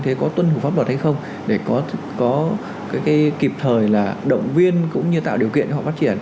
thế có tuân thủ pháp luật hay không để có kịp thời là động viên cũng như tạo điều kiện cho họ phát triển